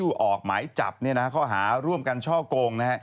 ออกหมายจับข้อหาร่วมกันช่อกง